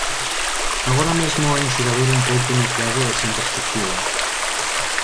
Agora mesmo é un xogador un pouco noqueado e sen perspectiva.